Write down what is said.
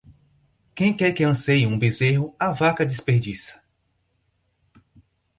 Quem quer que anseie um bezerro, a vaca desperdiça.